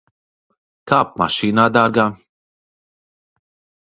Kāp mašīnā, dārgā.